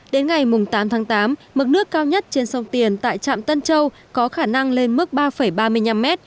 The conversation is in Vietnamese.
đến ngày tám tháng tám mực nước cao nhất trên sông tiền tại trạm tân châu có khả năng lên mức ba ba mươi năm m